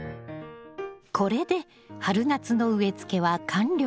これで春夏の植えつけは完了。